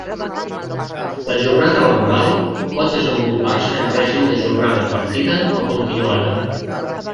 La jornada laboral pot desenvolupar-se en règim de jornada partida o continuada.